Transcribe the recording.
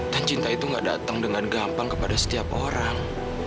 dan cinta itu gak datang dengan gampang kepada setiap orang